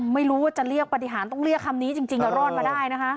ไม่รู้ว่าจะเรียกปฏิหารต้องเรียกคำนี้จริงก็รอดมาได้นะคะ